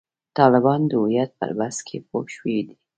طالبان د هویت پر بحث کې پوه شوي دي.